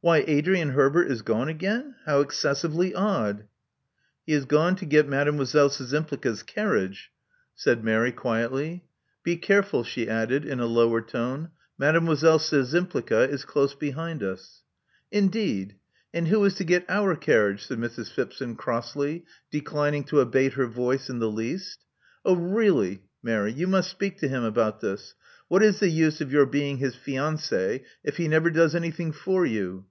Why Adrian Herbert is gone again ! How excessively odd !'* He is gone to get Mdlle. Szczympli^a's carriage," Love Among the Artists 199 said Mary, quietly. Be careful," she added, in a lower tone: Mdlle. Szczympliga is close behind us." Indeed! And who is to get our carriage?" said Mrs. Phipson, crossly, declining to abate her voice in the least. Oh, really, Mary, you must speak to him about this. What is the use of your being his fiancee if he never does anything for you?